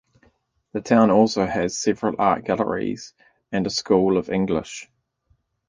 The town also has several art galleries and a school of English.